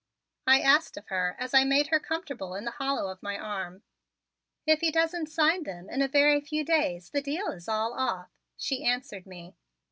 I asked of her as I made her comfortable in the hollow of my arm. "If he doesn't sign them in a very few days the deal is all off," she answered me.